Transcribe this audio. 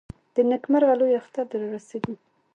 د نېکمرغه لوی اختر د رارسېدو .